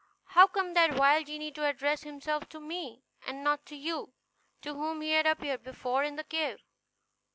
How came that vile genie to address himself to me, and not to you, to whom he had appeared before in the cave?"